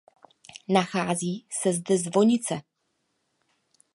Nachází se zde zvonice.